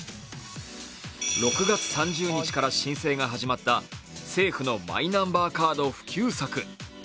６月３０日から申請が始まった政府のマイナンバーカード普及策。